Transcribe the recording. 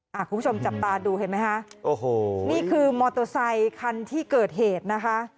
คุณผู้ชมจับตาดูเห็นไหมคะโอ้โหนี่คือมอเตอร์ไซคันที่เกิดเหตุนะคะ